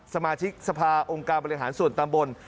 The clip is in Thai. สมาชิกสภาองค์การบริหารส่วนตำบล